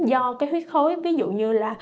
do huyết khối ví dụ như là